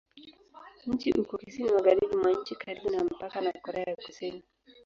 Mji uko kusini-magharibi mwa nchi, karibu na mpaka na Korea ya Kusini.